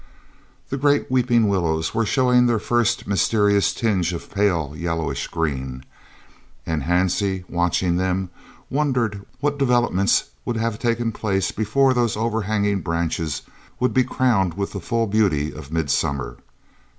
The great weeping willows were showing their first mysterious tinge of pale yellowish green, and Hansie, watching them, wondered what developments would have taken place before those overhanging branches would be crowned with the full beauty of midsummer.